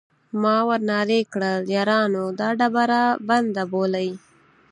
ما ور نارې کړل: یارانو دا ډبره بنده بولئ.